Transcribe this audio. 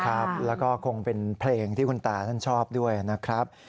ครับแล้วก็คงเป็นเพลงที่คุณตาท่านชอบด้วยนะครับ